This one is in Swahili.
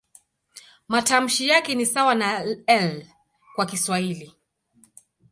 Matamshi yake ni sawa na "L" kwa Kiswahili.